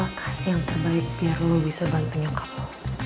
terima kasih yang terbaik biar lu bisa bantu nyokap lu